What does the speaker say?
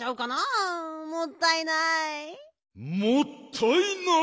もったいない？